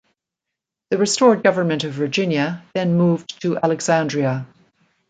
The Restored Government of Virginia then moved to Alexandria.